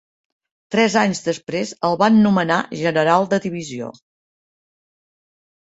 Tres anys després el van nomenar general de divisió.